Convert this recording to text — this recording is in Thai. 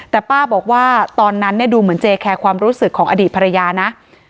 แต่ป้าบอกว่าตอนนั้นเนี่ยดูเหมือนเจแคร์ความรู้สึกของอดีตภรรยานะ